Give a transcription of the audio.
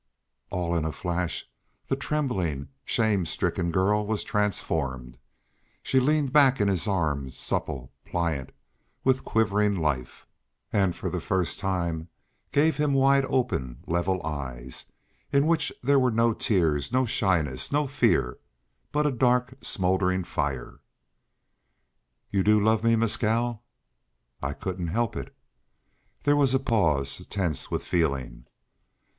All in a flash the trembling, shame stricken girl was transformed. She leaned back in his arms, supple, pliant with quivering life, and for the first time gave him wide open level eyes, in which there were now no tears, no shyness, no fear, but a dark smouldering fire. "You do love me, Mescal?" "I I couldn't help it." There was a pause, tense with feeling.